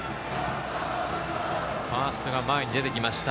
ファーストが前に出てきました